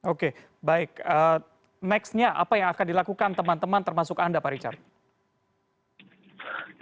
oke baik max nya apa yang akan dilakukan teman teman termasuk anda pak richard